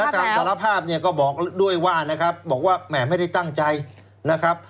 สารภาพเนี่ยก็บอกด้วยว่านะครับบอกว่าแหมไม่ได้ตั้งใจนะครับ